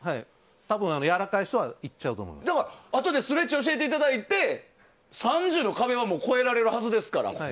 だから、あとでストレッチを教えていただいて３０の壁は超えられるはずですから。